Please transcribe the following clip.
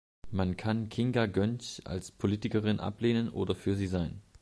Man kann Kinga Göncz als Politikerin ablehnen oder für sie sein.